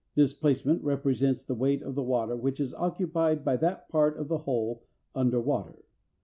Displacement represents the weight of the water which is occupied by that part of the hull under water.